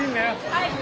はい。